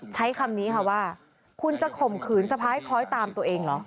ใช้คำนี้ค่ะว่าคุณจะข่มขืนสะพ้ายคล้อยตามตัวเองเหรอ